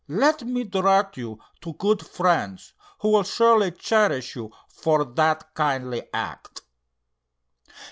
Let me direct you to good friends, who will surely cherish you for that kindly act."